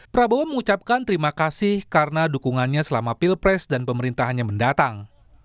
prabowo mengucapkan terima kasih karena dukungannya selama pilpres dan pemerintahannya mendatang